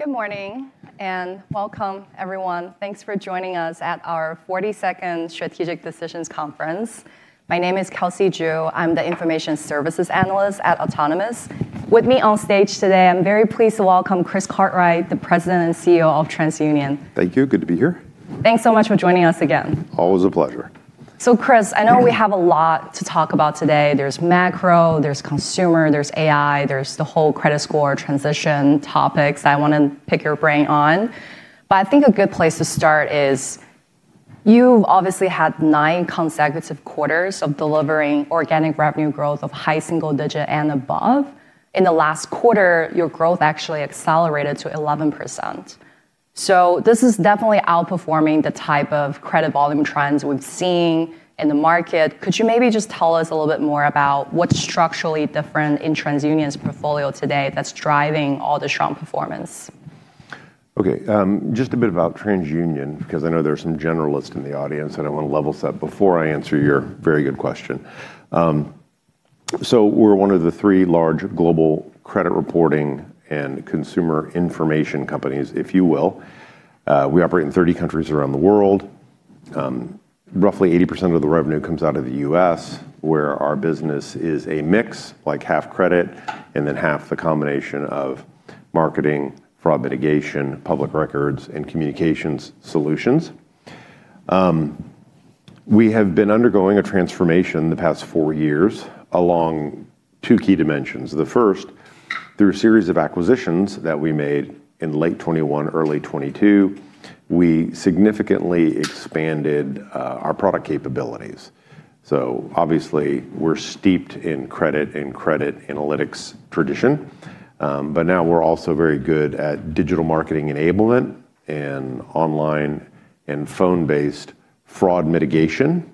Good morning and welcome, everyone. Thanks for joining us at our 42nd Strategic Decisions Conference. My name is Kelsey Zhu. I'm the Information Services Analyst at Autonomous. With me on stage today, I'm very pleased to welcome Chris Cartwright, the President and CEO of TransUnion. Thank you. Good to be here. Thanks so much for joining us again. Always a pleasure. Chris, I know we have a lot to talk about today. There's macro, there's consumer, there's AI, there's the whole credit score transition topics I want to pick your brain on. I think a good place to start is, you've obviously had nine consecutive quarters of delivering organic revenue growth of high single digit and above. In the last quarter, your growth actually accelerated to 11%. This is definitely outperforming the type of credit volume trends we've seen in the market. Could you maybe just tell us a little bit more about what's structurally different in TransUnion's portfolio today that's driving all the strong performance? Just a bit about TransUnion, because I know there are some generalists in the audience, and I want to level set before I answer your very good question. We're one of the three large global credit reporting and consumer information companies, if you will. We operate in 30 countries around the world. Roughly 80% of the revenue comes out of the U.S., where our business is a mix, like half credit, and then half the combination of marketing, fraud mitigation, public records, and communications solutions. We have been undergoing a transformation the past four years along two key dimensions. The first, through a series of acquisitions that we made in late 2021, early 2022, we significantly expanded our product capabilities. Obviously, we're steeped in credit and credit analytics tradition. Now we're also very good at digital marketing enablement and online and phone-based fraud mitigation.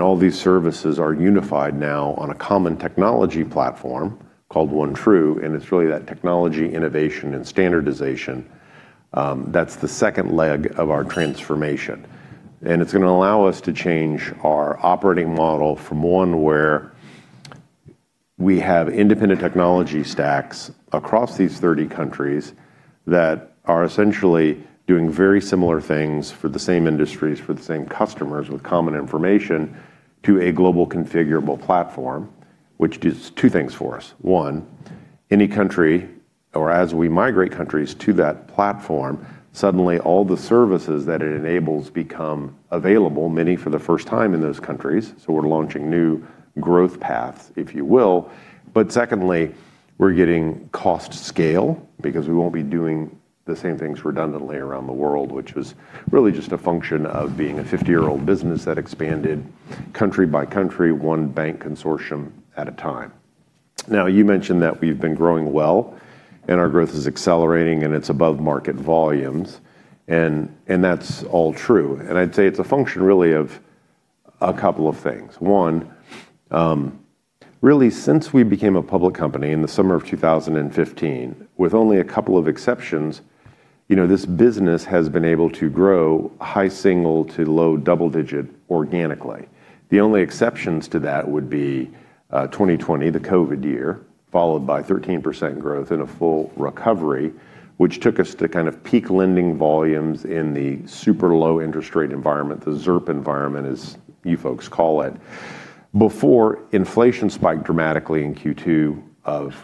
All these services are unified now on a common technology platform called OneTru, and it's really that technology innovation and standardization that's the second leg of our transformation. It's going to allow us to change our operating model from one where we have independent technology stacks across these 30 countries that are essentially doing very similar things for the same industries, for the same customers with common information, to a global configurable platform, which does two things for us. One, any country, or as we migrate countries to that platform, suddenly all the services that it enables become available, many for the first time in those countries. We're launching new growth paths, if you will. Secondly, we're getting cost scale because we won't be doing the same things redundantly around the world, which was really just a function of being a 50-year-old business that expanded country by country, one bank consortium at a time. Now, you mentioned that we've been growing well, and our growth is accelerating, and it's above market volumes. That's all true. I'd say it's a function really of a couple of things. One, really, since we became a public company in the summer of 2015, with only a couple of exceptions, this business has been able to grow high single to low double digit organically. The only exceptions to that would be 2020, the COVID year, followed by 13% growth and a full recovery, which took us to kind of peak lending volumes in the super low interest rate environment, the ZIRP environment as you folks call it, before inflation spiked dramatically in Q2 of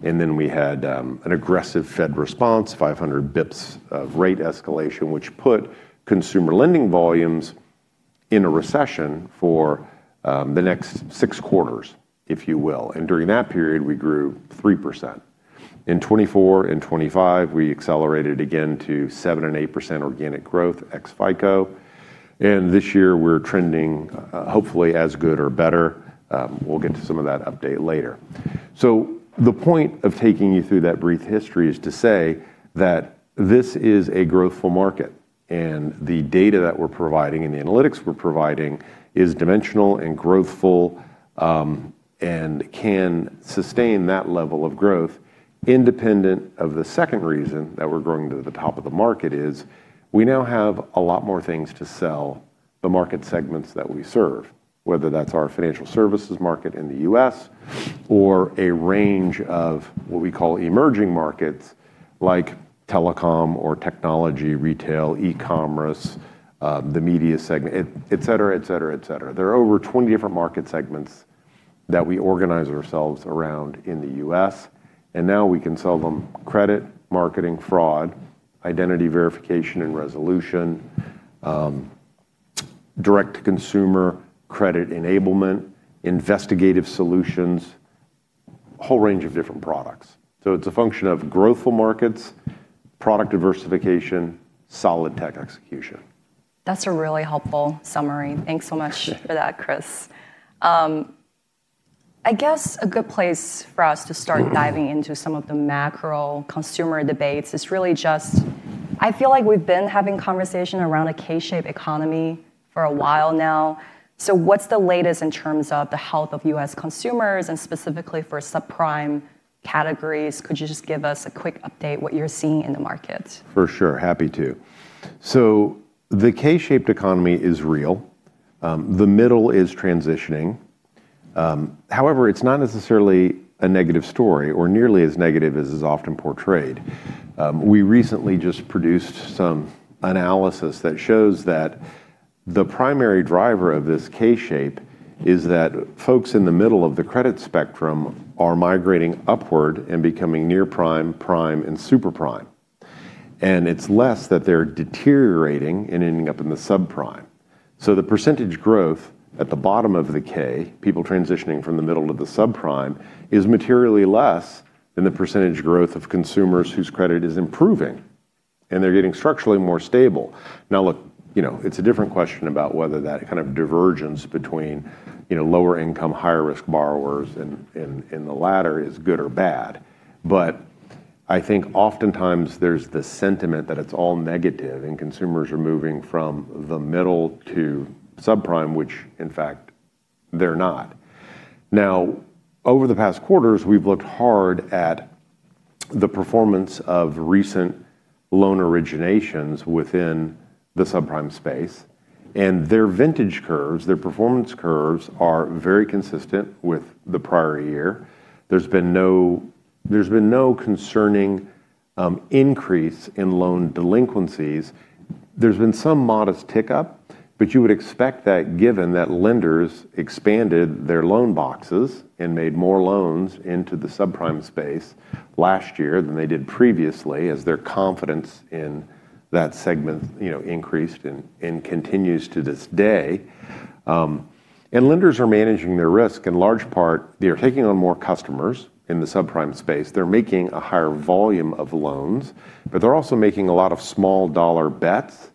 2022. We had an aggressive Fed response, 500 bps of rate escalation, which put consumer lending volumes in a recession for the next six quarters, if you will. During that period, we grew 3%. In 2024 and 2025, we accelerated again to 7% and 8% organic growth ex FICO. This year we're trending hopefully as good or better. We'll get to some of that update later. The point of taking you through that brief history is to say that this is a growthful market, and the data that we're providing and the analytics we're providing is dimensional and growthful, and can sustain that level of growth independent of the second reason that we're growing to the top of the market is we now have a lot more things to sell the market segments that we serve, whether that's our financial services market in the U.S. or a range of what we call emerging markets like telecom or technology, retail, e-commerce, the media segment, et cetera, et cetera, et cetera. There are over 20 different market segments that we organize ourselves around in the U.S., and now we can sell them credit, marketing, fraud, identity verification and resolution, direct to consumer credit enablement, investigative solutions, whole range of different products. It's a function of growthful markets, product diversification, solid tech execution. That's a really helpful summary. Thanks so much for that, Chris. I guess a good place for us to start diving into some of the macro consumer debates is really just I feel like we've been having conversation around a K-shaped economy for a while now. What's the latest in terms of the health of U.S. consumers and specifically for subprime categories? Could you just give us a quick update what you're seeing in the market? For sure. Happy to. The K-shaped economy is real. The middle is transitioning. However, it's not necessarily a negative story or nearly as negative as is often portrayed. We recently just produced some analysis that shows that the primary driver of this K shape is that folks in the middle of the credit spectrum are migrating upward and becoming near prime, and super prime. It's less that they're deteriorating and ending up in the subprime. The percentage growth at the bottom of the K, people transitioning from the middle to the subprime, is materially less than the percentage growth of consumers whose credit is improving, and they're getting structurally more stable. Now look, it's a different question about whether that kind of divergence between lower-income, higher-risk borrowers in the latter is good or bad. I think oftentimes there's the sentiment that it's all negative and consumers are moving from the middle to subprime, which in fact, they're not. Over the past quarters, we've looked hard at the performance of recent loan originations within the subprime space, and their vintage curves, their performance curves are very consistent with the prior year. There's been no concerning increase in loan delinquencies. There's been some modest tick up, but you would expect that given that lenders expanded their loan boxes and made more loans into the subprime space last year than they did previously, as their confidence in that segment increased and continues to this day. Lenders are managing their risk in large part. They're taking on more customers in the subprime space. They're making a higher volume of loans. They're also making a lot of small-dollar bets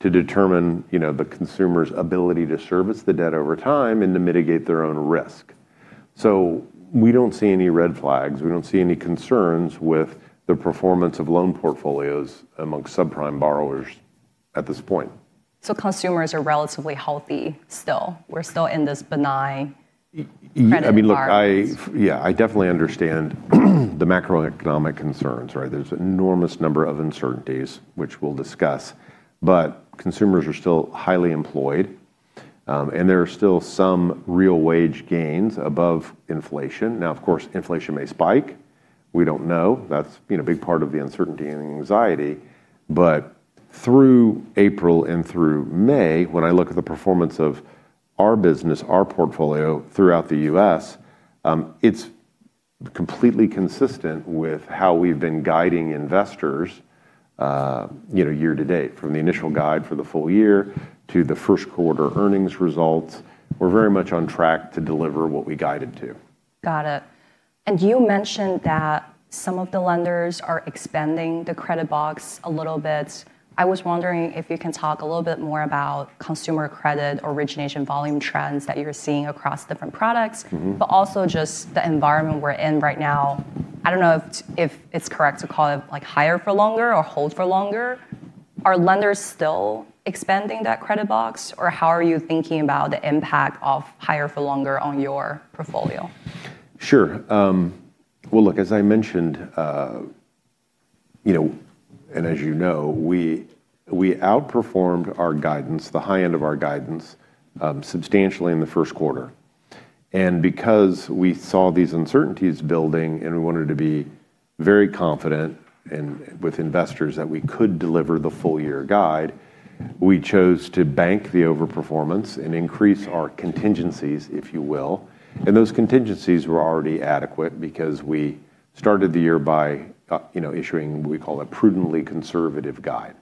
to determine the consumer's ability to service the debt over time and to mitigate their own risk. We don't see any red flags. We don't see any concerns with the performance of loan portfolios amongst subprime borrowers at this point. Consumers are relatively healthy still. We're still in this benign credit market. I definitely understand the macroeconomic concerns. There's an enormous number of uncertainties, which we'll discuss, but consumers are still highly employed, and there are still some real wage gains above inflation. Of course, inflation may spike. We don't know. That's a big part of the uncertainty and anxiety. Through April and through May, when I look at the performance of our business, our portfolio throughout the U.S., it's completely consistent with how we've been guiding investors year to date, from the initial guide for the full year to the first quarter earnings results. We're very much on track to deliver what we guided to. Got it. You mentioned that some of the lenders are expanding the credit box a little bit. I was wondering if you can talk a little bit more about consumer credit, origination volume trends that you're seeing across different products. Also, just the environment we're in right now. I don't know if it's correct to call it higher for longer or hold for longer. Are lenders still expanding that credit box, or how are you thinking about the impact of higher for longer on your portfolio? Sure. Well, look, as I mentioned, and as you know, we outperformed our guidance, the high end of our guidance, substantially in the first quarter. Because we saw these uncertainties building and we wanted to be very confident with investors that we could deliver the full year guide, we chose to bank the overperformance and increase our contingencies, if you will. Those contingencies were already adequate because we started the year by issuing what we call a prudently conservative guide.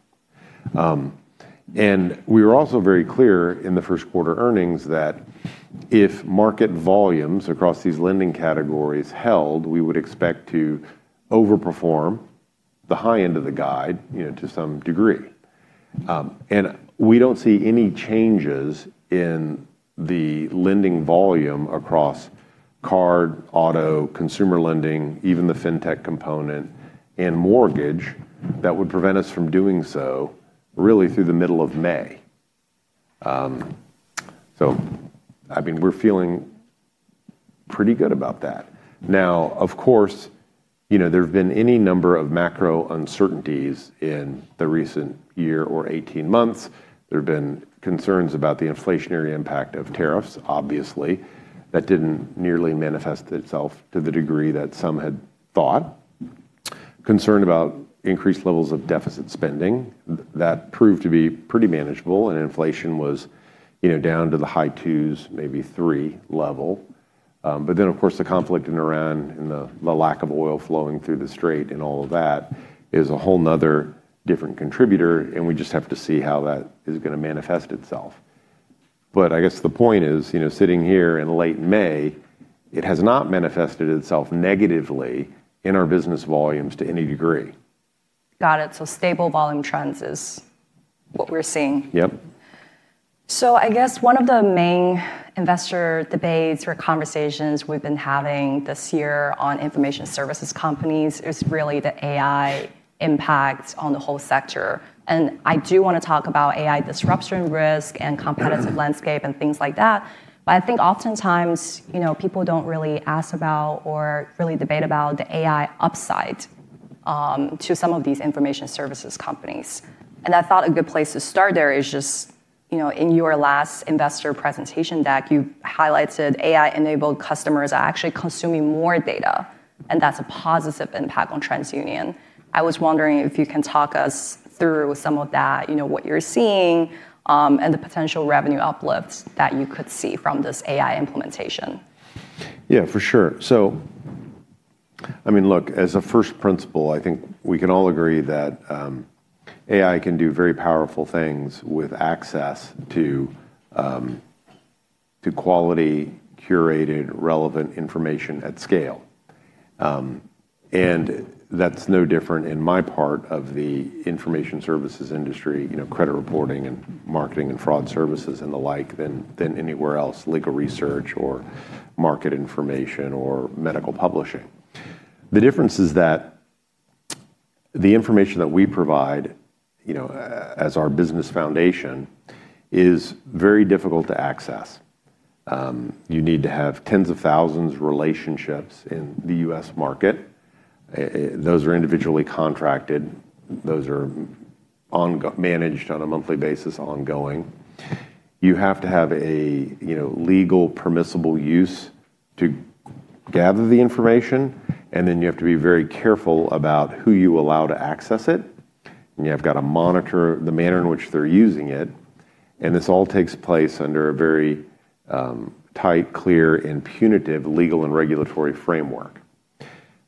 We were also very clear in the first quarter earnings that if market volumes across these lending categories held, we would expect to overperform the high end of the guide to some degree. We don't see any changes in the lending volume across card, auto, consumer lending, even the fintech component and mortgage that would prevent us from doing so really through the middle of May. We're feeling pretty good about that. Now, of course, there have been any number of macro uncertainties in the recent year or 18 months. There have been concerns about the inflationary impact of tariffs, obviously. That didn't nearly manifest itself to the degree that some had thought. Concern about increased levels of deficit spending. That proved to be pretty manageable, and inflation was down to the high 2s, maybe 3 level. Of course, the conflict in Iran and the lack of oil flowing through the strait and all of that is a whole another different contributor, and we just have to see how that is going to manifest itself. I guess the point is, sitting here in late May, it has not manifested itself negatively in our business volumes to any degree. Got it. Stable volume trends is what we're seeing. Yep. I guess one of the main investor debates or conversations we've been having this year on information services companies is really the AI impact on the whole sector. I do want to talk about AI disruption risk and competitive landscape, and things like that. I think oftentimes people don't really ask about or really debate about the AI upside to some of these information services companies. I thought a good place to start there is just in your last investor presentation deck, you highlighted AI-enabled customers are actually consuming more data, and that's a positive impact on TransUnion. I was wondering if you can talk us through some of that, what you're seeing, and the potential revenue uplifts that you could see from this AI implementation. Yeah, for sure. Look, as a first principle, I think we can all agree that AI can do very powerful things with access to quality, curated, relevant information at scale. That's no different in my part of the information services industry, credit reporting and marketing and fraud services and the like, than anywhere else, legal research or market information or medical publishing. The difference is that the information that we provide as our business foundation is very difficult to access. You need to have tens of thousands relationships in the U.S. market. Those are individually contracted. Those are managed on a monthly basis ongoing. You have to have a legal permissible use to gather the information, and then you have to be very careful about who you allow to access it. You have got to monitor the manner in which they're using it. This all takes place under a very tight, clear, and punitive legal and regulatory framework.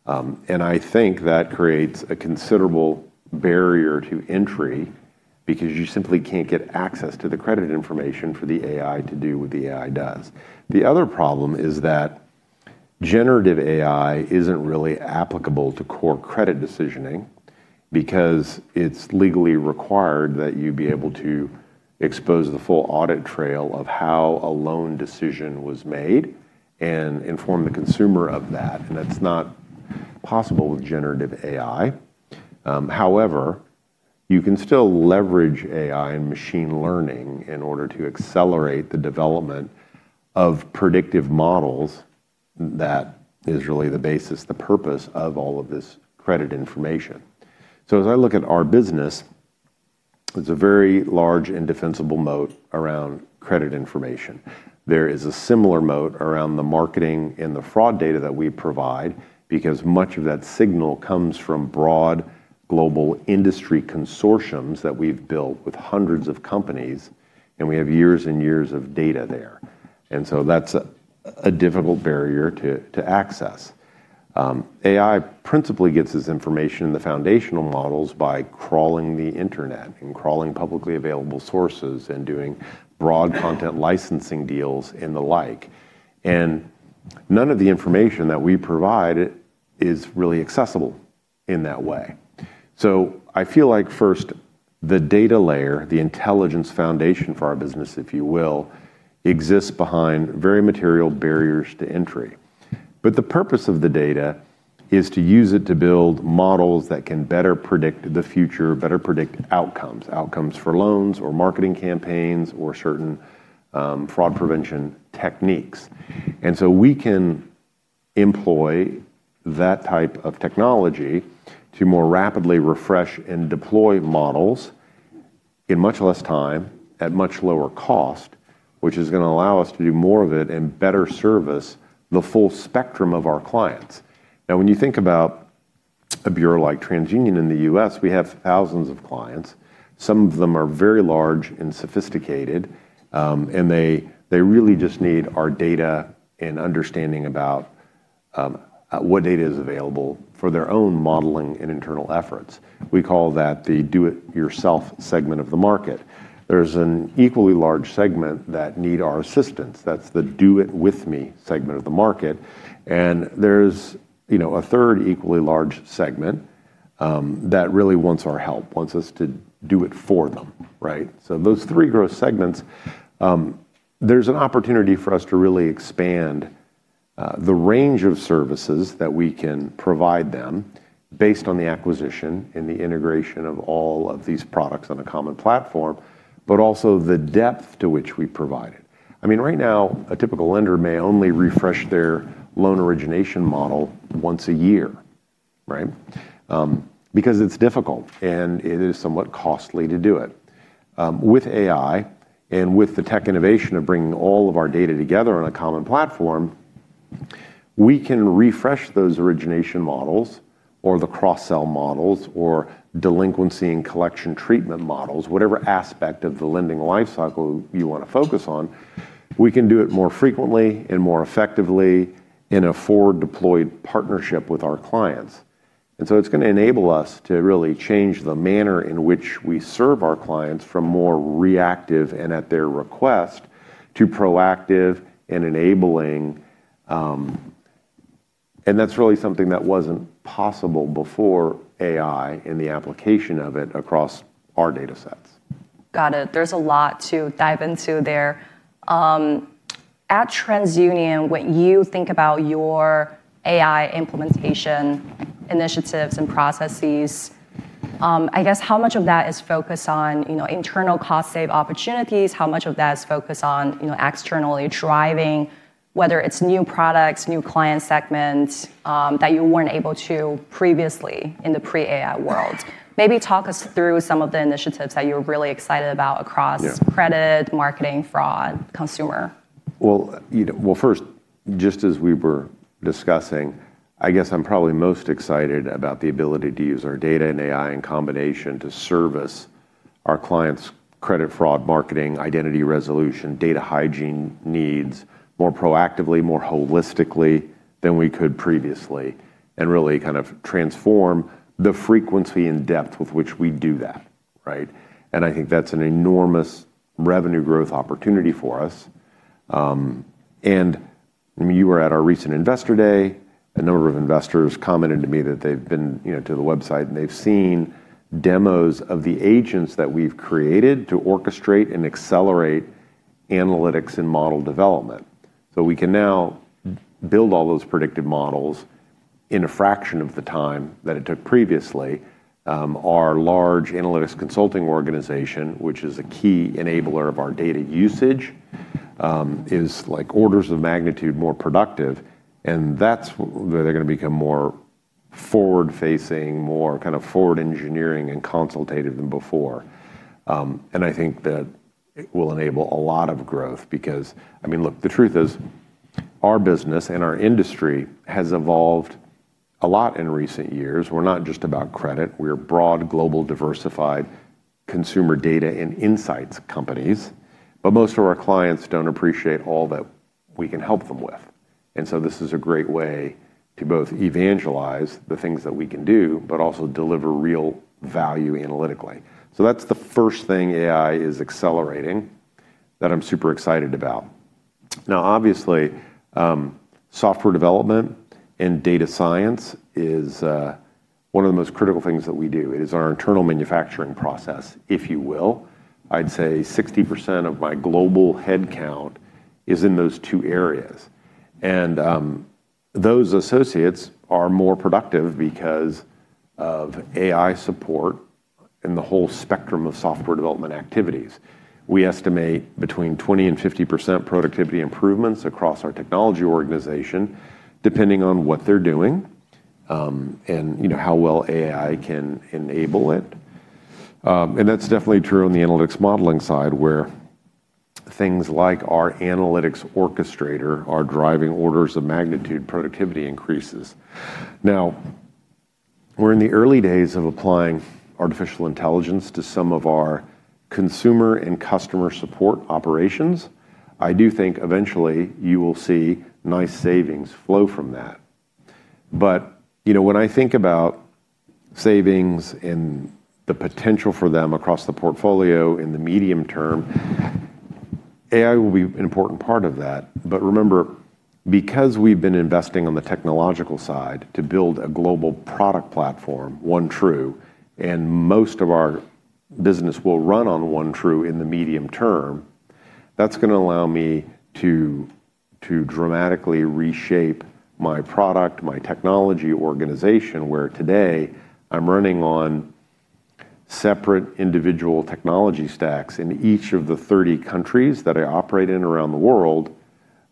I think that creates a considerable barrier to entry because you simply can't get access to the credit information for the AI to do what the AI does. The other problem is that generative AI isn't really applicable to core credit decisioning because it's legally required that you be able to expose the full audit trail of how a loan decision was made and inform the consumer of that, and that's not possible with generative AI. However, you can still leverage AI and machine learning in order to accelerate the development of predictive models. That is really the basis, the purpose of all of this credit information. As I look at our business, it's a very large and defensible moat around credit information. There is a similar moat around the marketing and the fraud data that we provide because much of that signal comes from broad global industry consortiums that we've built with hundreds of companies, and we have years and years of data there. That's a difficult barrier to access. AI principally gets its information in the foundational models by crawling the Internet and crawling publicly available sources, and doing broad content licensing deals and the like. None of the information that we provide is really accessible in that way. I feel like first, the data layer, the intelligence foundation for our business, if you will, exists behind very material barriers to entry. The purpose of the data is to use it to build models that can better predict the future, better predict outcomes. Outcomes for loans or marketing campaigns, or certain fraud prevention techniques. We can employ that type of technology to more rapidly refresh and deploy models in much less time, at much lower cost, which is going to allow us to do more of it and better service the full spectrum of our clients. Now, when you think about a bureau like TransUnion in the U.S., we have thousands of clients. Some of them are very large and sophisticated, and they really just need our data and understanding about what data is available for their own modeling and internal efforts. We call that the do-it-yourself segment of the market. There's an equally large segment that need our assistance. That's the do it with me segment of the market. There's a third equally large segment that really wants our help, wants us to do it for them. Those three growth segments, there's an opportunity for us to really expand the range of services that we can provide them based on the acquisition and the integration of all of these products on a common platform, but also the depth to which we provide it. Right now, a typical lender may only refresh their loan origination model once a year. It's difficult, and it is somewhat costly to do it. With AI and with the tech innovation of bringing all of our data together on a common platform, we can refresh those origination models or the cross-sell models or delinquency and collection treatment models, whatever aspect of the lending life cycle you want to focus on. We can do it more frequently and more effectively in a forward-deployed partnership with our clients. It's going to enable us to really change the manner in which we serve our clients from more reactive and at their request to proactive and enabling. That's really something that wasn't possible before AI and the application of it across our datasets. Got it. There's a lot to dive into there. At TransUnion, when you think about your AI implementation initiatives and processes, I guess how much of that is focused on internal cost save opportunities? How much of that is focused on externally driving, whether it's new products, new client segments that you weren't able to previously in the pre-AI world? Maybe talk us through some of the initiatives that you're really excited about across credit, marketing, fraud, consumer. Well, first, just as we were discussing, I guess I'm probably most excited about the ability to use our data and AI in combination to service our clients' credit fraud, marketing, identity resolution, data hygiene needs more proactively, more holistically than we could previously, and really kind of transform the frequency and depth with which we do that. Right? I think that's an enormous revenue growth opportunity for us. You were at our recent Investor Day. A number of investors commented to me that they've been to the website, and they've seen demos of the agents that we've created to orchestrate and accelerate analytics and model development. We can now build all those predictive models in a fraction of the time that it took previously. Our large analytics consulting organization, which is a key enabler of our data usage, is orders of magnitude more productive. That's where they're going to become more forward-facing, more kind of forward engineering and consultative than before. I think that it will enable a lot of growth because, look, the truth is our business and our industry has evolved a lot in recent years. We're not just about credit. We're a broad global diversified consumer data and insights companies. Most of our clients don't appreciate all that we can help them with. This is a great way to both evangelize the things that we can do, but also deliver real value analytically. That's the first thing AI is accelerating that I'm super excited about. Now, obviously, software development and data science is one of the most critical things that we do. It is our internal manufacturing process, if you will. I'd say 60% of my global headcount is in those two areas. Those associates are more productive because of AI support in the whole spectrum of software development activities. We estimate between 20%-50% productivity improvements across our technology organization, depending on what they're doing and how well AI can enable it. That's definitely true on the analytics modeling side, where things like our analytics orchestrator are driving orders of magnitude productivity increases. Now, we're in the early days of applying artificial intelligence to some of our consumer and customer support operations. I do think eventually you will see nice savings flow from that. When I think about savings and the potential for them across the portfolio in the medium term, AI will be an important part of that. Remember, because we've been investing on the technological side to build a global product platform, OneTru, and most of our business will run on OneTru in the medium term, that's going to allow me to dramatically reshape my product, my technology organization. Where today I'm running on separate individual technology stacks in each of the 30 countries that I operate in around the world,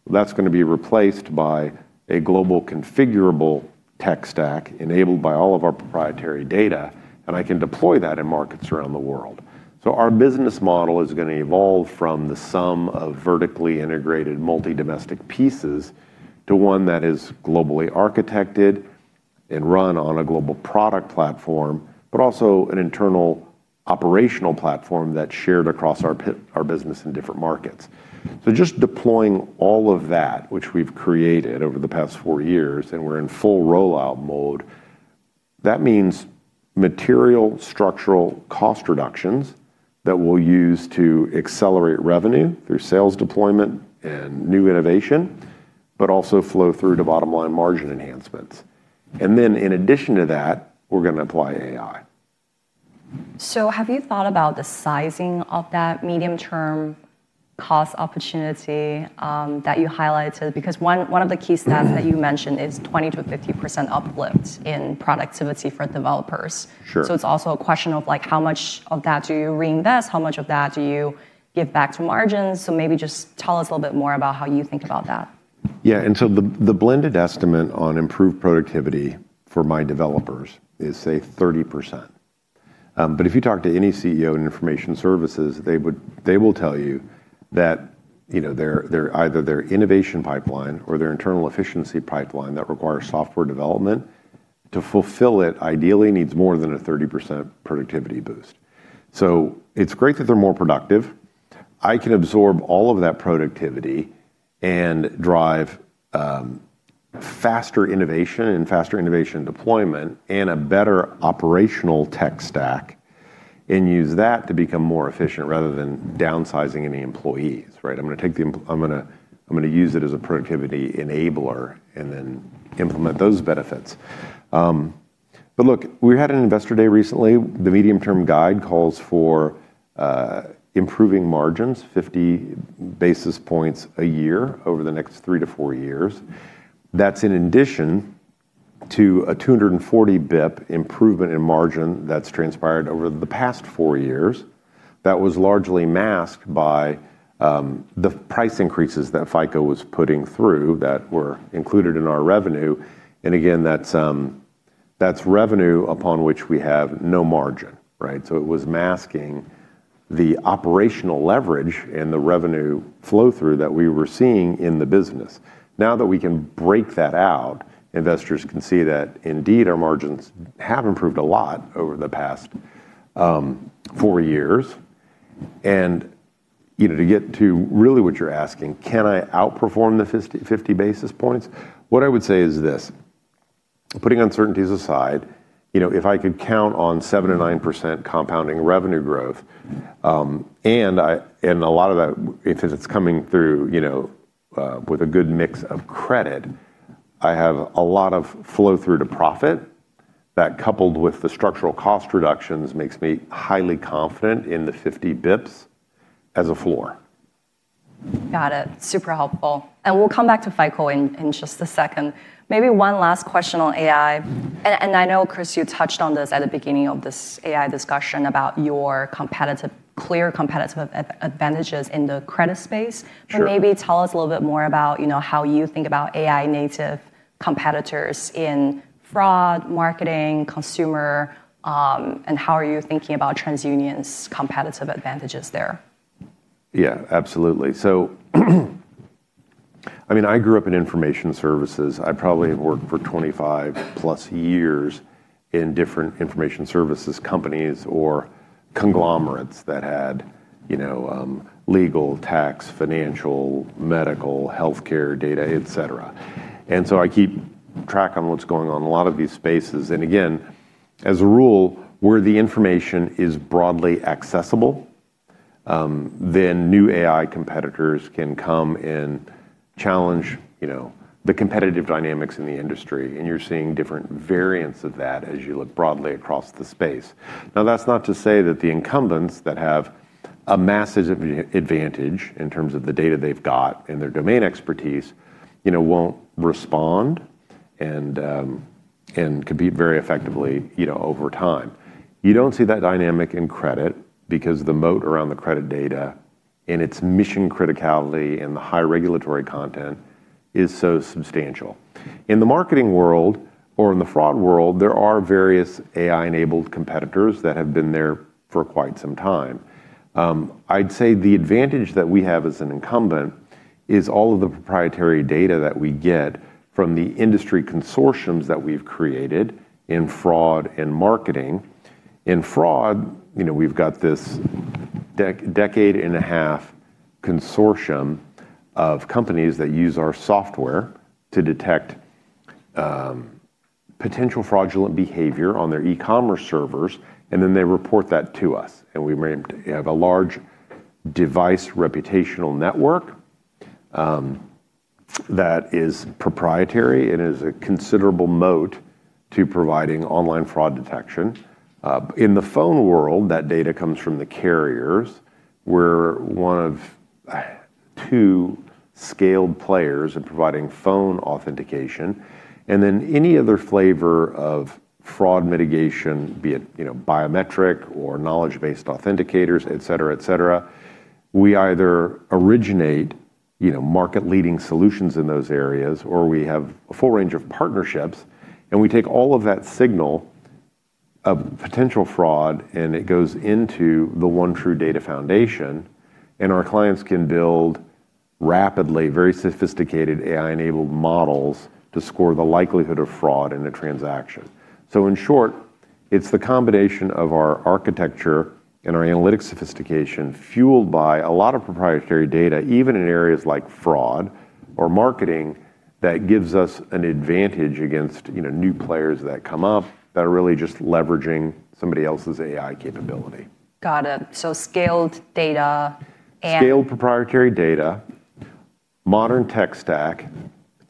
that's going to be replaced by a global configurable tech stack enabled by all of our proprietary data, and I can deploy that in markets around the world. Our business model is going to evolve from the sum of vertically integrated multi-domestic pieces to one that is globally architected and run on a global product platform, but also an internal operational platform that's shared across our business in different markets. Just deploying all of that, which we've created over the past four years, and we're in full rollout mode, that means material structural cost reductions that we'll use to accelerate revenue through sales deployment and new innovation, but also flow through to bottom-line margin enhancements. In addition to that, we're going to apply AI. Have you thought about the sizing of that medium-term cost opportunity that you highlighted? One of the key stats that you mentioned is 20%-50% uplift in productivity for developers. Sure. It's also a question of how much of that do you reinvest, how much of that do you give back to margins? Maybe just tell us a little bit more about how you think about that. Yeah. The blended estimate on improved productivity for my developers is, say, 30%. If you talk to any CEO in information services, they will tell you that either their innovation pipeline or their internal efficiency pipeline that requires software development to fulfill it, ideally needs more than a 30% productivity boost. It's great that they're more productive. I can absorb all of that productivity and drive faster innovation and faster innovation deployment and a better operational tech stack and use that to become more efficient, rather than downsizing any employees, right? I'm going to use it as a productivity enabler and then implement those benefits. Look, we had an Investor Day recently. The medium-term guide calls for improving margins 50 basis points a year over the next three to four years. That's in addition to a 240 bps improvement in margin that's transpired over the past four years, that was largely masked by the price increases that FICO was putting through that were included in our revenue. Again, that's revenue upon which we have no margin. It was masking the operational leverage and the revenue flow-through that we were seeing in the business. Now that we can break that out, investors can see that indeed our margins have improved a lot over the past four years. To get to really what you're asking, can I outperform the 50 basis points? What I would say is this, putting uncertainties aside, if I could count on 7%-9% compounding revenue growth, and a lot of that because it's coming through with a good mix of credit, I have a lot of flow-through to profit. That, coupled with the structural cost reductions, makes me highly confident in the 50 bps as a floor. Got it. Super helpful. We'll come back to FICO in just a second. Maybe one last question on AI, and I know, Chris, you touched on this at the beginning of this AI discussion about your clear competitive advantages in the credit space. Sure. Maybe tell us a little bit more about how you think about AI-native competitors in fraud, marketing, consumer, and how are you thinking about TransUnion's competitive advantages there? Yeah, absolutely. I grew up in information services. I probably have worked for 25+ years in different information services companies or conglomerates that had legal, tax, financial, medical, healthcare, data, et cetera. I keep track on what's going on in a lot of these spaces. Again, as a rule, where the information is broadly accessible, then new AI competitors can come and challenge the competitive dynamics in the industry. You're seeing different variants of that as you look broadly across the space. That's not to say that the incumbents that have a massive advantage in terms of the data they've got and their domain expertise won't respond and compete very effectively over time. You don't see that dynamic in credit because the moat around the credit data and its mission criticality and the high regulatory content is so substantial. In the marketing world or in the fraud world, there are various AI-enabled competitors that have been there for quite some time. I'd say the advantage that we have as an incumbent is all of the proprietary data that we get from the industry consortiums that we've created in fraud and marketing. In fraud, we've got this decade and a half consortium of companies that use our software to detect potential fraudulent behavior on their e-commerce servers, and then they report that to us, and we have a large device reputational network that is proprietary and is a considerable moat to providing online fraud detection. In the phone world, that data comes from the carriers. We're one of two scaled players in providing phone authentication. Any other flavor of fraud mitigation, be it biometric or knowledge-based authenticators, et cetera, we either originate market-leading solutions in those areas, or we have a full range of partnerships, and we take all of that signal of potential fraud, and it goes into the OneTru Data Foundation, and our clients can build rapidly, very sophisticated AI-enabled models to score the likelihood of fraud in a transaction. In short, it's the combination of our architecture and our analytics sophistication fueled by a lot of proprietary data, even in areas like fraud or marketing, that gives us an advantage against new players that come up that are really just leveraging somebody else's AI capability. Got it. So scaled data. Scaled proprietary data, modern tech stack,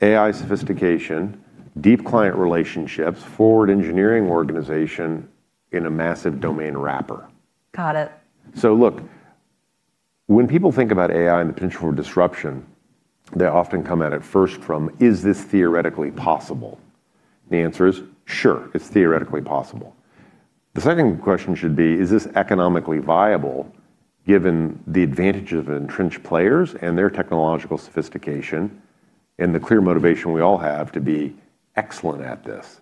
AI sophistication, deep client relationships, forward engineering organization in a massive domain wrapper. Got it. Look, when people think about AI and the potential for disruption, they often come at it first from, "Is this theoretically possible?" The answer is, sure, it's theoretically possible. The second question should be, is this economically viable, given the advantage of entrenched players and their technological sophistication and the clear motivation we all have to be excellent at this?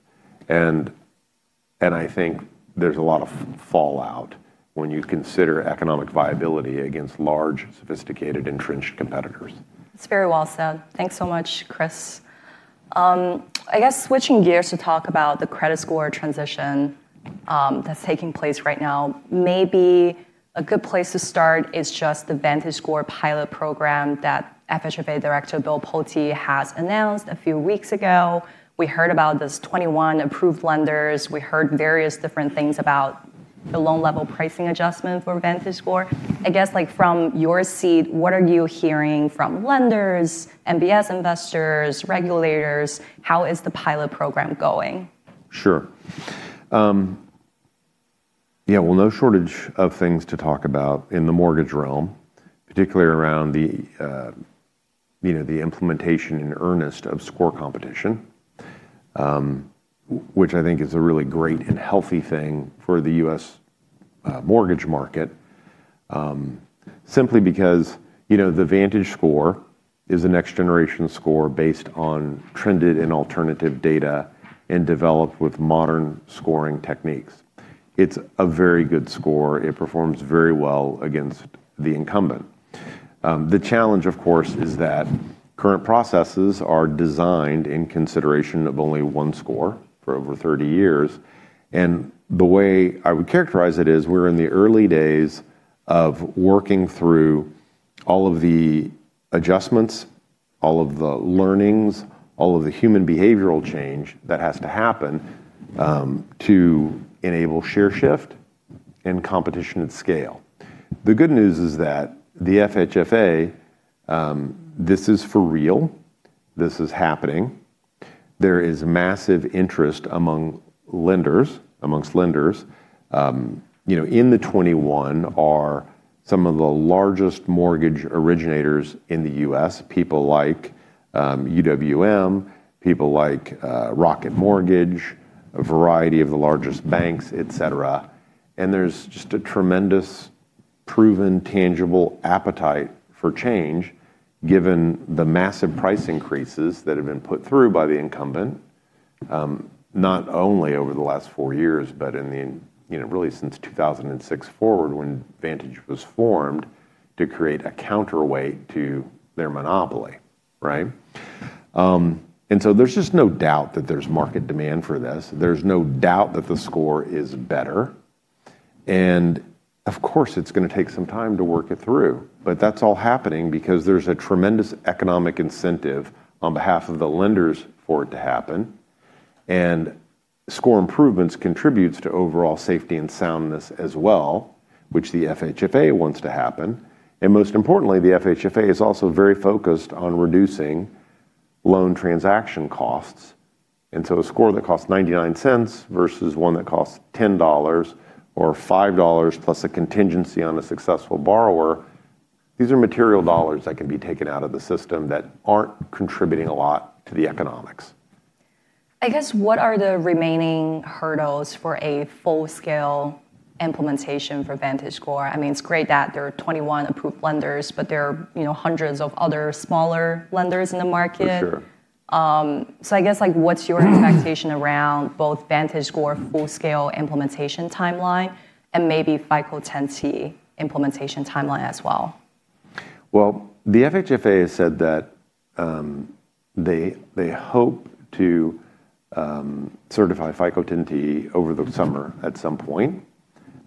I think there's a lot of fallout when you consider economic viability against large, sophisticated, entrenched competitors. It's very well said. Thanks so much, Chris. I guess switching gears to talk about the credit score transition that's taking place right now, maybe a good place to start is just the VantageScore pilot program that FHFA Director Bill Pulte has announced a few weeks ago. We heard about these 21 approved lenders. We heard various different things about the Loan-Level Pricing Adjustment for VantageScore. I guess from your seat, what are you hearing from lenders, MBS investors, regulators? How is the pilot program going? Sure. Yeah. Well, no shortage of things to talk about in the mortgage realm, particularly around the implementation in earnest of score competition, which I think is a really great and healthy thing for the U.S. mortgage market. Simply because the VantageScore is a next-generation score based on trended and alternative data and developed with modern scoring techniques. It's a very good score. It performs very well against the incumbent. The challenge, of course, is that current processes are designed in consideration of only one score for over 30 years. The way I would characterize it is we're in the early days of working through all of the adjustments, all of the learnings, all of the human behavioral change that has to happen to enable share shift and competition at scale. The good news is that the FHFA, this is for real, this is happening. There is massive interest amongst lenders. In the 21 are some of the largest mortgage originators in the U.S. People like UWM, people like Rocket Mortgage, a variety of the largest banks, et cetera. There's just a tremendous proven tangible appetite for change given the massive price increases that have been put through by the incumbent, not only over the last four years, but really since 2006 forward when Vantage was formed to create a counterweight to their monopoly. Right? There's just no doubt that there's market demand for this. There's no doubt that the score is better, and of course, it's going to take some time to work it through. That's all happening because there's a tremendous economic incentive on behalf of the lenders for it to happen. Score improvements contributes to overall safety and soundness as well, which the FHFA wants to happen. Most importantly, the FHFA is also very focused on reducing loan transaction costs. A score that costs $0.99 versus one that costs $10 or $5, plus a contingency on a successful borrower, these are material dollars that can be taken out of the system that aren't contributing a lot to the economics. I guess what are the remaining hurdles for a full-scale implementation for VantageScore? It's great that there are 21 approved lenders, but there are hundreds of other smaller lenders in the market. For sure. I guess what's your expectation around both VantageScore full-scale implementation timeline and maybe FICO 10T implementation timeline as well? Well, the FHFA has said that they hope to certify FICO 10T over the summer at some point,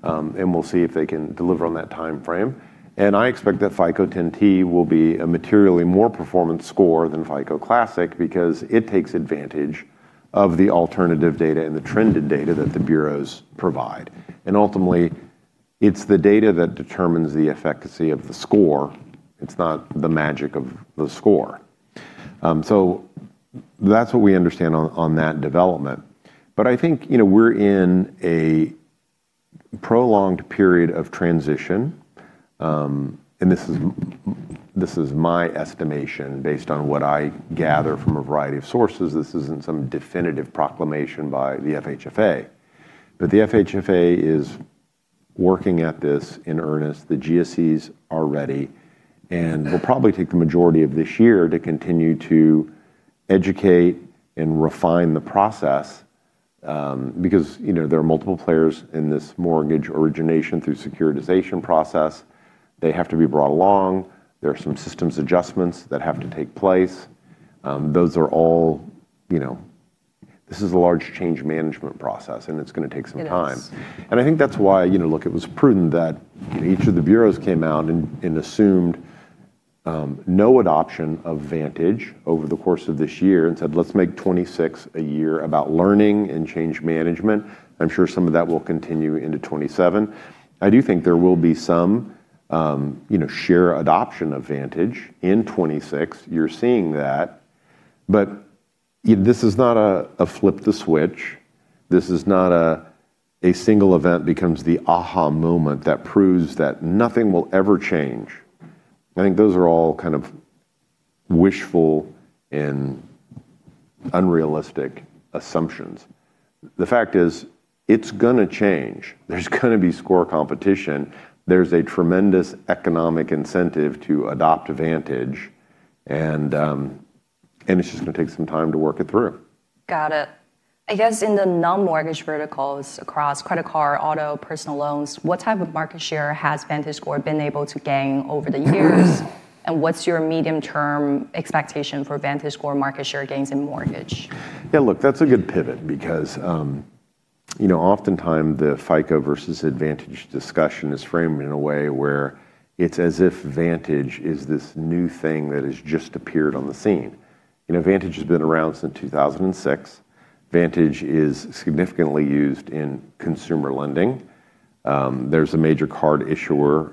and we'll see if they can deliver on that timeframe. I expect that FICO 10T will be a materially more performance score than Classic FICO because it takes advantage of the alternative data and the trended data that the bureaus provide. Ultimately, it's the data that determines the efficacy of the score. It's not the magic of the score. That's what we understand on that development. I think we're in a prolonged period of transition. This is my estimation based on what I gather from a variety of sources. This isn't some definitive proclamation by the FHFA, but the FHFA is working at this in earnest. The GSEs are ready and will probably take the majority of this year to continue to educate and refine the process. There are multiple players in this mortgage origination through securitization process. They have to be brought along. There are some systems adjustments that have to take place. This is a large change management process, and it's going to take some time. It is. I think that's why it was prudent that each of the bureaus came out and assumed no adoption of Vantage over the course of this year and said, "Let's make 2026 a year about learning and change management." I'm sure some of that will continue into 2027. I do think there will be some share adoption of Vantage in 2026. You're seeing that. This is not a flip the switch. This is not a single event becomes the aha moment that proves that nothing will ever change. I think those are all kind of wishful and unrealistic assumptions. The fact is, it's going to change. There's going to be score competition. There's a tremendous economic incentive to adopt Vantage, and it's just going to take some time to work it through. Got it. I guess in the non-mortgage verticals across credit card, auto, personal loans, what type of market share has VantageScore been able to gain over the years? What's your medium-term expectation for VantageScore market share gains in mortgage? Yeah, look, that's a good pivot because oftentimes the FICO versus VantageScore discussion is framed in a way where it's as if Vantage is this new thing that has just appeared on the scene. Vantage has been around since 2006. Vantage is significantly used in consumer lending. There's a major card issuer,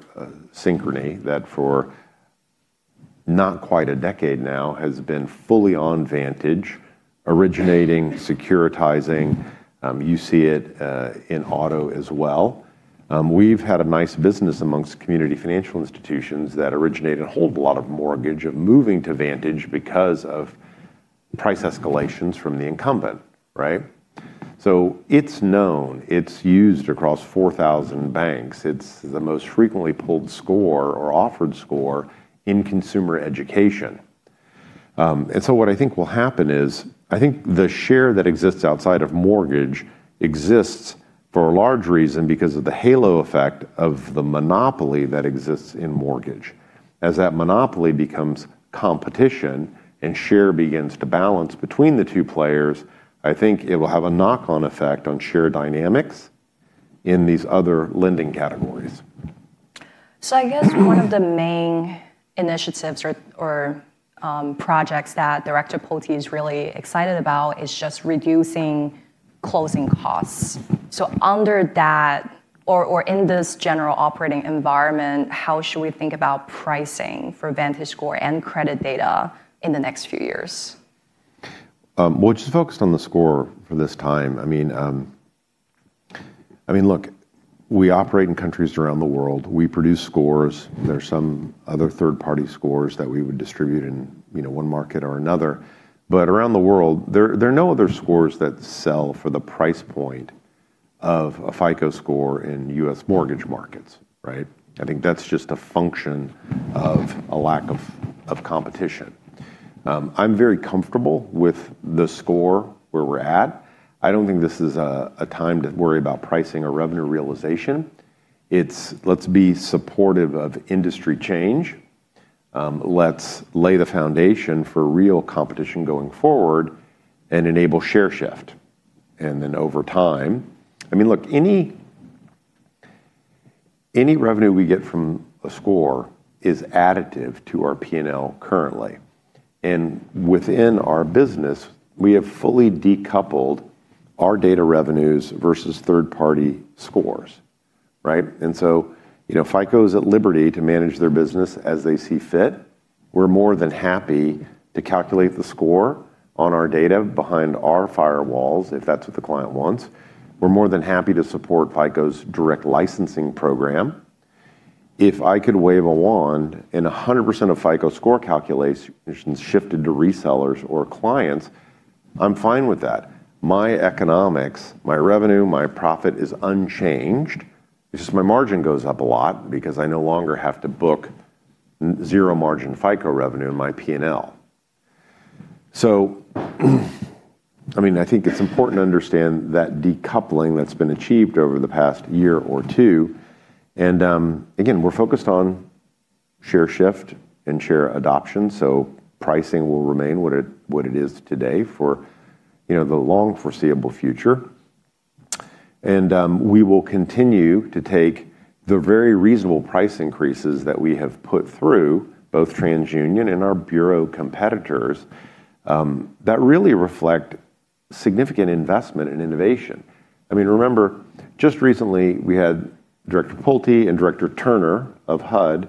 Synchrony, that for not quite a decade now has been fully on Vantage originating, securitizing. You see it in auto as well. We've had a nice business amongst community financial institutions that originate and hold a lot of mortgage moving to Vantage because of price escalations from the incumbent. Right? It's known. It's used across 4,000 banks. It's the most frequently pulled score or offered score in consumer education. What I think will happen is: I think the share that exists outside of mortgage exists for a large reason because of the halo effect of the monopoly that exists in mortgage. As that monopoly becomes competition and share begins to balance between the two players, I think it will have a knock-on effect on share dynamics in these other lending categories. I guess one of the main initiatives or projects that Director Pulte is really excited about is just reducing closing costs. Under that or in this general operating environment, how should we think about pricing for VantageScore and credit data in the next few years? Well, just focused on the score for this time. Look, we operate in countries around the world. We produce scores. There's some other third-party scores that we would distribute in one market or another. Around the world, there are no other scores that sell for the price point of a FICO score in U.S. mortgage markets. Right? I think that's just a function of a lack of competition. I'm very comfortable with the score where we're at. I don't think this is a time to worry about pricing or revenue realization. It's let's be supportive of industry change. Let's lay the foundation for real competition going forward and enable share shift. Over time, look, any revenue we get from a score is additive to our P&L currently. Within our business, we have fully decoupled our data revenues versus third-party scores. Right? FICO's at liberty to manage their business as they see fit. We're more than happy to calculate the score on our data behind our firewalls if that's what the client wants. We're more than happy to support FICO's direct licensing program. If I could wave a wand and 100% of FICO score calculations shifted to resellers or clients, I'm fine with that. My economics, my revenue, my profit is unchanged. It's just my margin goes up a lot because I no longer have to book zero margin FICO revenue in my P&L. I think it's important to understand that decoupling that's been achieved over the past year or two. Again, we're focused on share shift and share adoption. Pricing will remain what it is today for the long foreseeable future. We will continue to take the very reasonable price increases that we have put through both TransUnion and our bureau competitors that really reflect significant investment in innovation. Remember, just recently we had Director Pulte and Director Turner of HUD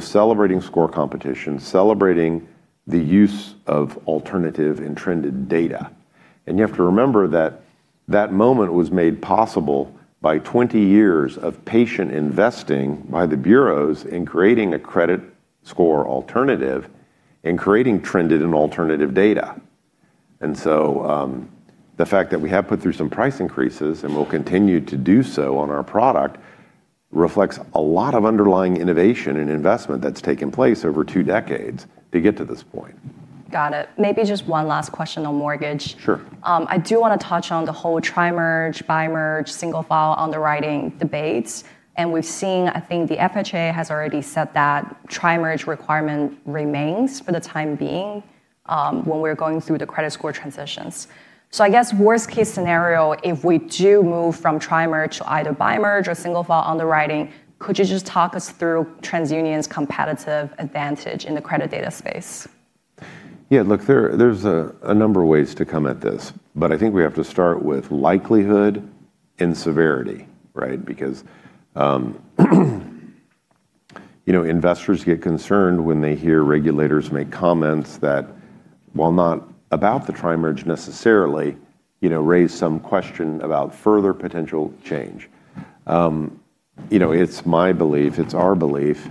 celebrating score competition, celebrating the use of alternative and trended data. You have to remember that that moment was made possible by 20 years of patient investing by the bureaus in creating a credit score alternative and creating trended and alternative data. The fact that we have put through some price increases and will continue to do so on our product reflects a lot of underlying innovation and investment that's taken place over two decades to get to this point. Got it. Maybe just one last question on mortgage. Sure. I do want to touch on the whole tri-merge, bi-merge, single file underwriting debates. We've seen, I think, the FHA has already said that tri-merge requirement remains for the time being when we're going through the credit score transitions. I guess worst-case scenario, if we do move from tri-merge to either bi-merge or single file underwriting, could you just talk us through TransUnion's competitive advantage in the credit data space? Yeah. Look, there's a number of ways to come at this, but I think we have to start with likelihood and severity. Right? Because investors get concerned when they hear regulators make comments that, while not about the tri-merge necessarily, raise some question about further potential change. It's my belief, it's our belief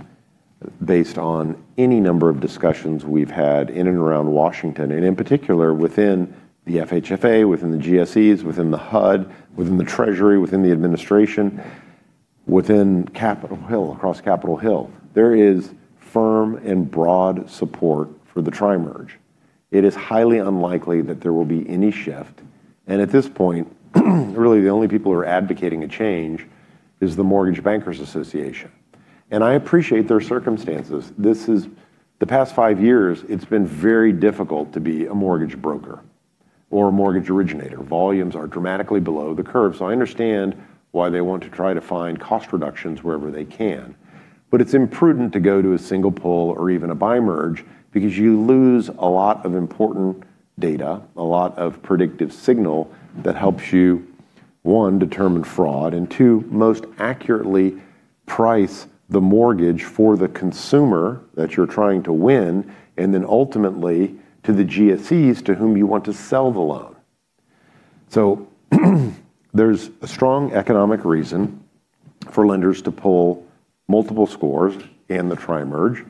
based on any number of discussions we've had in and around Washington and in particular within the FHFA, within the GSEs, within the HUD, within the Treasury, within the administration, within Capitol Hill, across Capitol Hill. There is firm and broad support for the tri-merge. At this point, really the only people who are advocating a change is the Mortgage Bankers Association. I appreciate their circumstances. The past five years, it's been very difficult to be a mortgage broker or a mortgage originator. Volumes are dramatically below the curve. I understand why they want to try to find cost reductions wherever they can. It's imprudent to go to a single pull or even a bi-merge because you lose a lot of important data, a lot of predictive signal that helps you. One, determine fraud and two, most accurately price the mortgage for the consumer that you're trying to win, and then ultimately to the GSEs to whom you want to sell the loan. There's a strong economic reason for lenders to pull multiple scores in the tri-merge.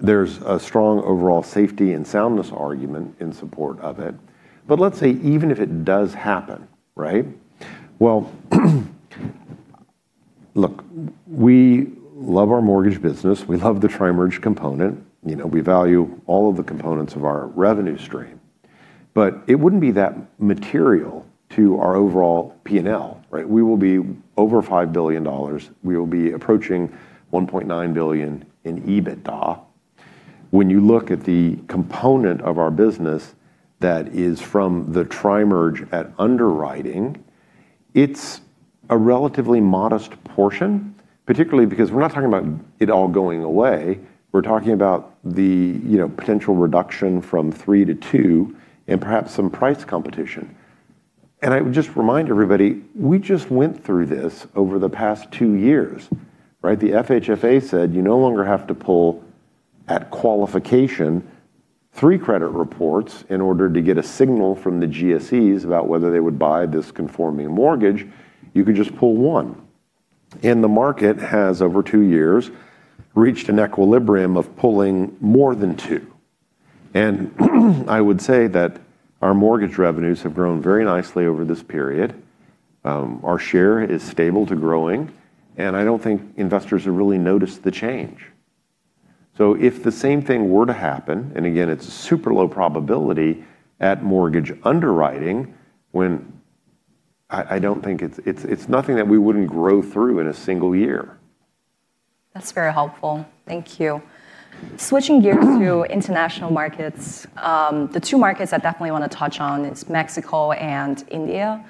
There's a strong overall safety and soundness argument in support of it. Let's say, even if it does happen, right? Well, look, we love our mortgage business. We love the tri-merge component. We value all of the components of our revenue stream. It wouldn't be that material to our overall P&L, right? We will be over $5 billion. We will be approaching $1.9 billion in EBITDA. When you look at the component of our business that is from the tri-merge at underwriting, it's a relatively modest portion, particularly because we're not talking about it all going away. We're talking about the potential reduction from three to two and perhaps some price competition. I would just remind everybody, we just went through this over the past two years, right? The FHFA said you no longer have to pull at qualification, three credit reports in order to get a signal from the GSEs about whether they would buy this conforming mortgage; you could just pull one. The market has, over two years, reached an equilibrium of pulling more than two. I would say that our mortgage revenues have grown very nicely over this period. Our share is stable to growing, and I don't think investors have really noticed the change. If the same thing were to happen, and again, it's a super low probability at mortgage underwriting, when I don't think it's nothing that we wouldn't grow through in a single year. That's very helpful. Thank you. Switching gears to international markets. The two markets I definitely want to touch on is Mexico and India.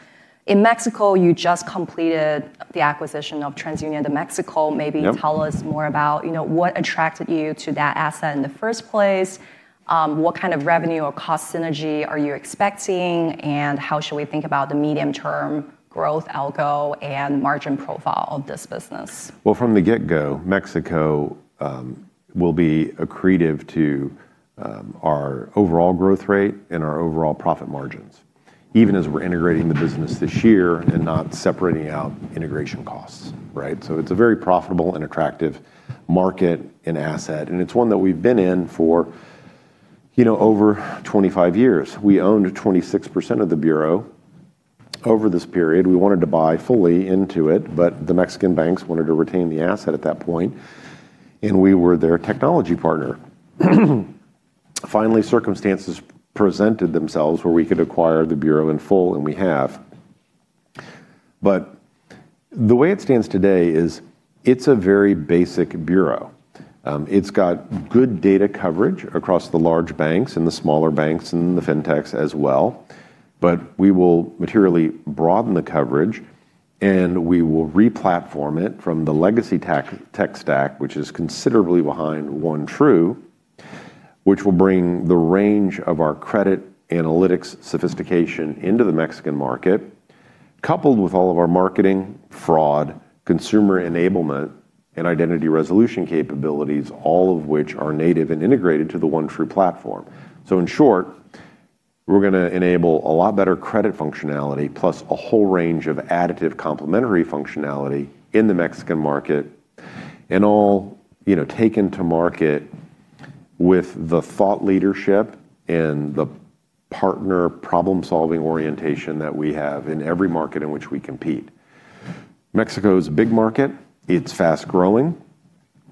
In Mexico, you just completed the acquisition of TransUnion de México. Yep. Maybe tell us more about what attracted you to that asset in the first place, what kind of revenue or cost synergy are you expecting, and how should we think about the medium-term growth algo and margin profile of this business? Well, from the get-go, Mexico will be accretive to our overall growth rate and our overall profit margins, even as we're integrating the business this year and not separating out integration costs, right? It's a very profitable and attractive market and asset, and it's one that we've been in for over 25 years. We owned 26% of the bureau over this period. We wanted to buy fully into it, but the Mexican banks wanted to retain the asset at that point, and we were their technology partner. Finally, circumstances presented themselves where we could acquire the bureau in full, and we have. The way it stands today is it's a very basic bureau. It's got good data coverage across the large banks and the smaller banks, and the fintechs as well. We will materially broaden the coverage, and we will re-platform it from the legacy tech stack, which is considerably behind OneTru, which will bring the range of our credit analytics sophistication into the Mexican market, coupled with all of our marketing, fraud, consumer enablement, and identity resolution capabilities, all of which are native and integrated to the OneTru platform. In short, we're going to enable a lot better credit functionality plus a whole range of additive complementary functionality in the Mexican market, and all taken to market with the thought leadership and the partner problem-solving orientation that we have in every market in which we compete. Mexico is a big market. It's fast-growing.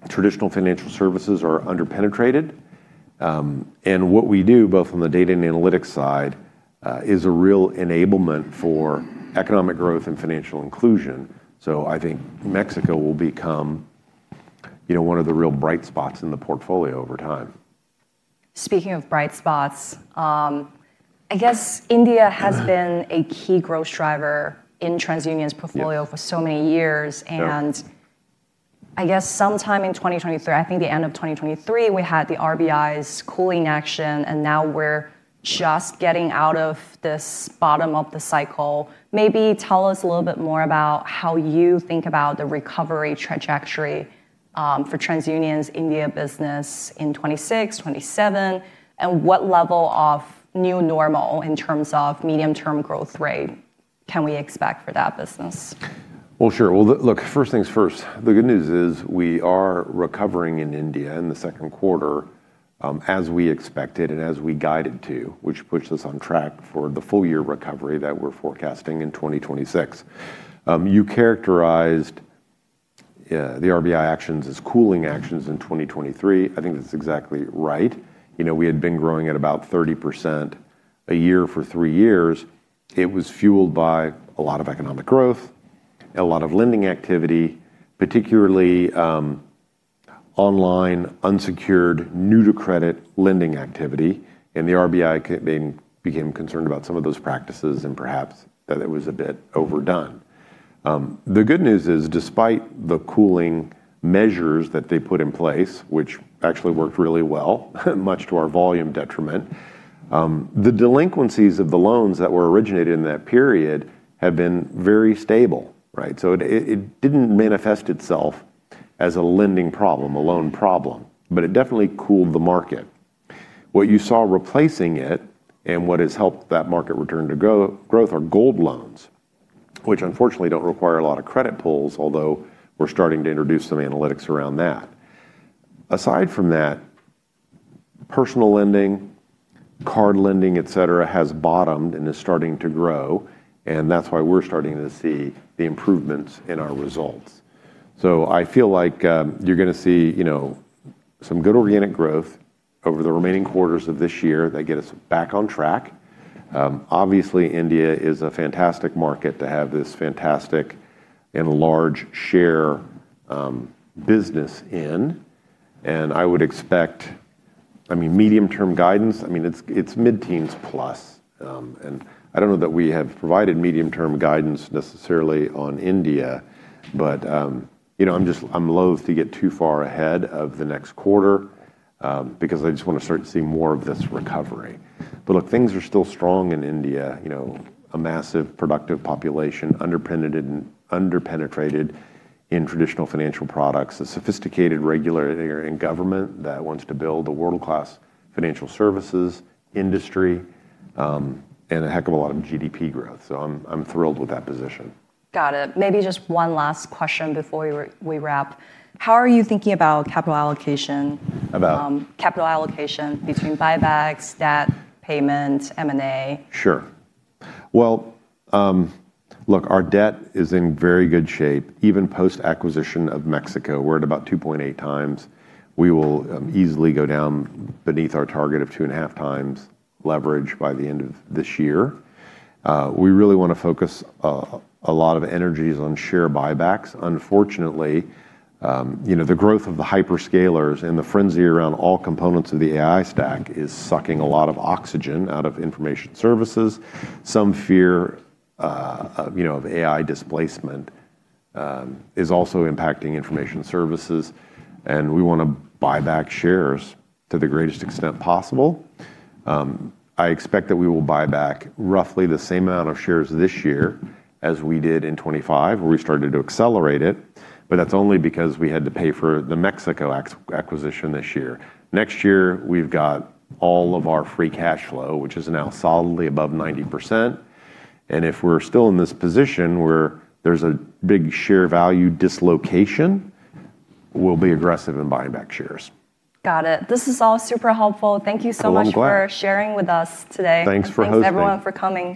Traditional financial services are under-penetrated. What we do, both on the data and analytics side, is a real enablement for economic growth and financial inclusion. I think Mexico will become one of the real bright spots in the portfolio over time. Speaking of bright spots. I guess India has been a key growth driver in TransUnion's portfolio for so many years. Yep. I guess sometime in 2023, I think the end of 2023, we had the RBI's cooling action, and now we're just getting out of this bottom of the cycle. Maybe tell us a little bit more about how you think about the recovery trajectory for TransUnion's India business in 2026, 2027, and what level of new normal in terms of medium-term growth rate can we expect for that business? Well, sure. Well, look, first things first. The good news is we are recovering in India in the second quarter, as we expected and as we guided to, which puts us on track for the full-year recovery that we're forecasting in 2026. You characterized the RBI actions as cooling actions in 2023. I think that's exactly right. We had been growing at about 30% a year for three years. It was fueled by a lot of economic growth, a lot of lending activity, particularly online, unsecured, new-to-credit lending activity. The RBI became concerned about some of those practices and perhaps that it was a bit overdone. The good news is, despite the cooling measures that they put in place, which actually worked really well, much to our volume detriment, the delinquencies of the loans that were originated in that period have been very stable. It didn't manifest itself as a lending problem, a loan problem, but it definitely cooled the market. What you saw replacing it, and what has helped that market return to growth, are gold loans, which unfortunately don't require a lot of credit pulls, although we're starting to introduce some analytics around that. Aside from that, personal lending, card lending, et cetera, has bottomed and is starting to grow, and that's why we're starting to see the improvements in our results. I feel like you're going to see some good organic growth over the remaining quarters of this year that get us back on track. Obviously, India is a fantastic market to have this fantastic and large share business in, and I would expect medium term guidance, it's mid-teens plus. I don't know that we have provided medium term guidance necessarily on India, but I'm loathe to get too far ahead of the next quarter, because I just want to start to see more of this recovery. Look, things are still strong in India: a massive, productive population, under-penetrated in traditional financial products, a sophisticated regulator in government that wants to build a world-class financial services industry, and a heck of a lot of GDP growth. I'm thrilled with that position. Got it. Maybe just one last question before we wrap. How are you thinking about capital allocation? About? Capital allocation between buybacks, debt payment, M&A? Sure. Well, look, our debt is in very good shape. Even post-acquisition of Mexico, we're at about 2.8x. We will easily go down beneath our target of 2.5x leverage by the end of this year. We really want to focus a lot of energies on share buybacks. Unfortunately, the growth of the hyperscalers and the frenzy around all components of the AI stack is sucking a lot of oxygen out of information services. Some fear of AI displacement is also impacting information services, and we want to buy back shares to the greatest extent possible. I expect that we will buy back roughly the same amount of shares this year as we did in 2025, where we started to accelerate it, but that's only because we had to pay for the Mexico acquisition this year. Next year, we've got all of our free cash flow, which is now solidly above 90%, and if we're still in this position where there's a big share value dislocation, we'll be aggressive in buying back shares. Got it. This is all super helpful. Thank you so much. Well, I'm glad. For sharing with us today. Thanks for hosting. Thanks, everyone, for coming.